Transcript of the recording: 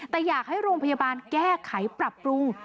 แต่อยากให้โรงพยาบาลแก้ไขปรับปรุง